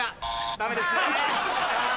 ダメですね。